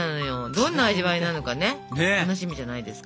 どんな味わいなのかね楽しみじゃないですか。